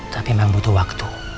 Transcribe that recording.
tapi memang butuh waktu